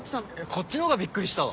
こっちの方がびっくりしたわ！